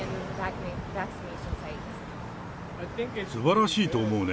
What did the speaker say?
すばらしいと思うね。